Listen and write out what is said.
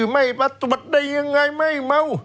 ไม่มาตรวจได้ยังไงไม่เมา